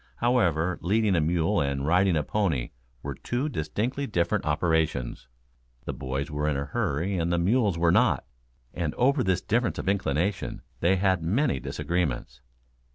However, leading a mule and riding a pony were two distinctly different operations. The boys were in a hurry and the mules were not and over this difference of inclination they had many disagreements.